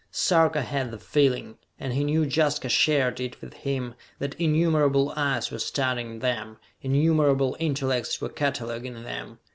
Sarka had the feeling, and he knew Jaska shared it with him, that innumerable eyes were studying them, innumerable intellects were cataloguing them.